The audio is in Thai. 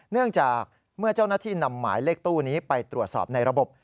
เนื่องจากเมื่อเจ้าหน้าที่นำหมายเลขตู้นี้ไปตรวจสอบในระบบ